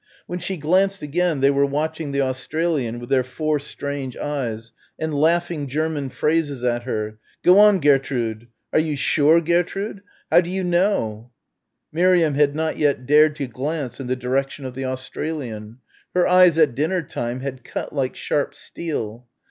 When she glanced again they were watching the Australian with their four strange eyes and laughing German phrases at her, "Go on, Gertrude!" "Are you sure, Gertrude?" "How do you know, Gertrude!" Miriam had not yet dared to glance in the direction of the Australian. Her eyes at dinner time had cut like sharp steel.